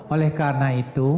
oleh karena itu